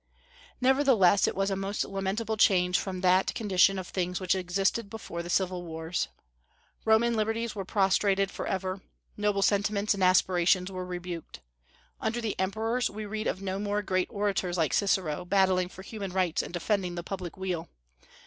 Nevertheless, it was a most lamentable change from that condition of things which existed before the civil wars. Roman liberties were prostrated forever; noble sentiments and aspirations were rebuked. Under the Emperors we read of no more great orators like Cicero, battling for human rights and defending the public weal.